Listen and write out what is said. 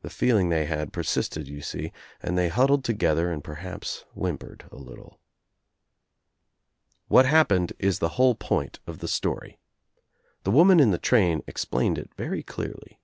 The feeling they had persisted, you see, and they huddled together and per haps whimpered a little. What happened is the whole point of the story. The woman in the train explained it very clearly.